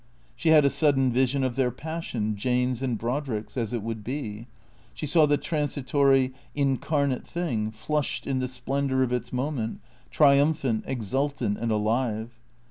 She had a sudden vision of their passion, Jane's and Brodrick's, as it would be; she saw the transitory, incarnate thing, flushed in the splendour of its moment, trium phant, exultant and alive.